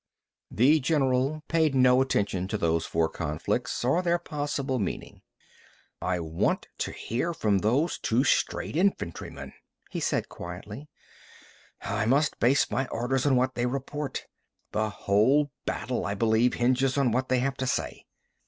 The general paid no attention to those four conflicts, or their possible meaning. "I want to hear from those two strayed infantrymen," he said quietly, "I must base my orders on what they report. The whole battle, I believe, hinges on what they have to say."